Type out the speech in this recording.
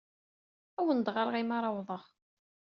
Ad awen-d-ɣreɣ mi ara awḍeɣ.